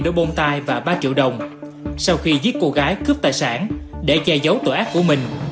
đôi bông tai và ba triệu đồng sau khi giết cô gái cướp tài sản để che giấu tội ác của mình